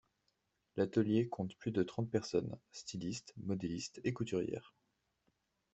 L’atelier compte plus de trente personnes : stylistes, modélistes et couturières.